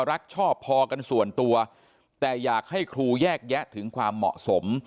ชอบพอกันส่วนตัวแต่อยากให้ครูแยกแยะถึงความเหมาะสม